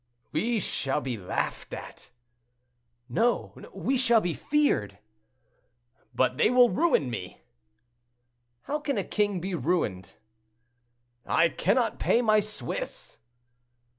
"We shall be laughed at." "No, we shall be feared." "But they will ruin me?" "How can a king be ruined?" "I cannot pay my Swiss!"